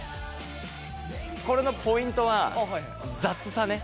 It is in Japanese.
これのポイントは雑さね。